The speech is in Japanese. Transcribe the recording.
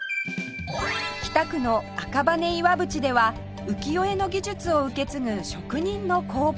北区の赤羽岩淵では浮世絵の技術を受け継ぐ職人の工房へ